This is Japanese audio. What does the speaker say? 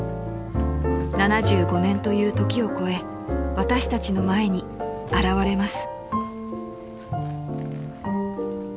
［７５年という時を超え私たちの前に現れます］